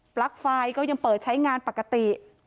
ลั๊กไฟก็ยังเปิดใช้งานปกติ